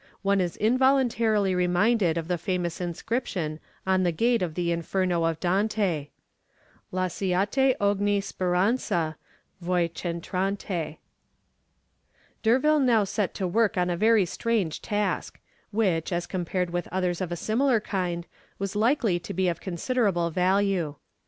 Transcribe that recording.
One is involuntarily reminded of the famous inscription on the gate of the Inferno of Dante "'Lasciate ogni speranza, voi ch' entrate.'" D'Urville now set to work on a very strange task, which, as compared with others of a similar kind, was likely to be of considerable value.